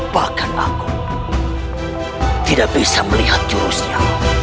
bahkan aku tidak bisa melihat jurusnya